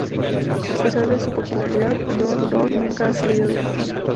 A pesar de su popularidad, "Door Door" nunca ha salido de Japón.